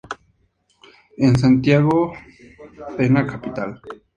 En: "Santiago, Pena Capital".